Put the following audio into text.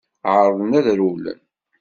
Ԑerḍen ad rewlen.